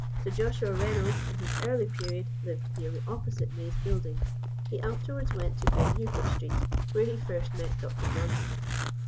Sir Joshua Reynolds, in his early period, lived nearly opposite May's Buildings. He afterwards went to Great Newport Street, where he first met Dr. Johnson.